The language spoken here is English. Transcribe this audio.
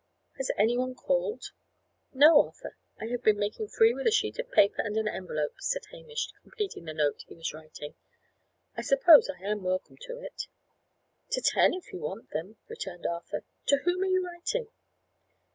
Has any one called?" "No. Arthur, I have been making free with a sheet of paper and an envelope," said Hamish, completing the note he was writing. "I suppose I am welcome to it?" "To ten, if you want them," returned Arthur. "To whom are you writing?"